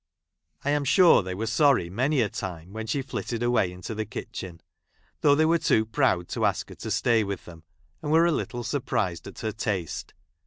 I j| am sure, they were sorry many a time when | she flitted away into the kitchen, though they | j were too proud to ask her to stay with them, 1 1 and were a little surprised at her taste